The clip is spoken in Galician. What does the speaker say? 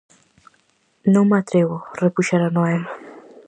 -Non me atrevo -repuxera Noel-.